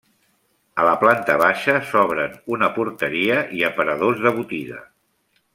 A la planta baixa s'obren una porteria i aparadors de botiga.